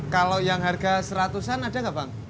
kalau yang harga rp seratus ada gak bang